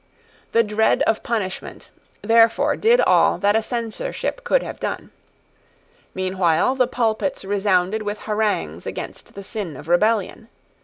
The dread of punishment therefore did all that a censorship could have done. Meanwhile, the pulpits resounded with harangues against the sin of rebellion.